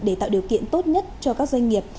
để tạo điều kiện tốt nhất cho các doanh nghiệp